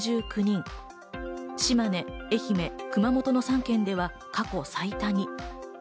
島根、愛媛、熊本の３県では過去最多に。